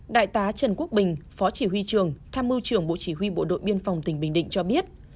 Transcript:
đại tá trần quốc bình phó chỉ huy trường tham mưu trưởng bộ chỉ huy bộ đội biên phòng tỉnh bình định cho biết